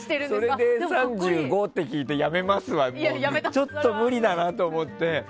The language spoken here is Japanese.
それで３５って聞いてやめますはちょっと無理だなと思って。